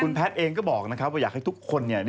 แต่คุณแพทย์เองก็บอกนะครับว่าอยากให้ทุกคนเนี่ย